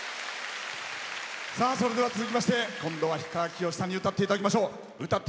それでは続きまして今度は氷川きよしさんに歌っていただきましょう。